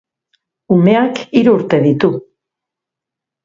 Umeak hiru urte ditu.